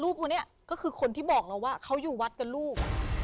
คนนี้ก็คือคนที่บอกเราว่าเขาอยู่วัดกับลูก